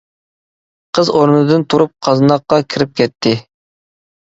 قىز ئورنىدىن تۇرۇپ قازناققا كىرىپ كەتتى.